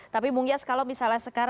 tapi munggias kalau misalnya sekitar itu